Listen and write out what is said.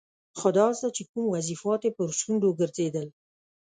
خدایزده چې کوم وظیفات یې پر شونډو ګرځېدل.